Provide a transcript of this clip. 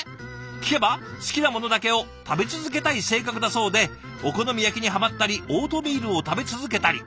聞けば好きなものだけを食べ続けたい性格だそうでお好み焼きにハマったりオートミールを食べ続けたり。